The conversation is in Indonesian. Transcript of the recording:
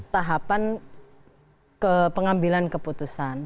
tahapan pengambilan keputusan